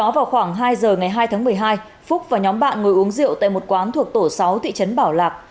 vào khoảng hai giờ ngày hai tháng một mươi hai phúc và nhóm bạn ngồi uống rượu tại một quán thuộc tổ sáu thị trấn bảo lạc